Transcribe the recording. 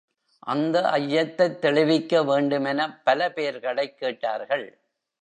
அந்த ஐயத்தைத் தெளிவிக்க வேண்டுமெனப் பல பேர்களைக் கேட்டார்கள்.